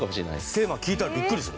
テーマ聞いたらビックリする？